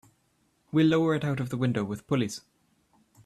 We'll lower it out of the window with pulleys.